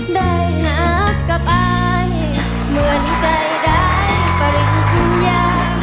ได้หักกับอายเหมือนใจได้ปริญญา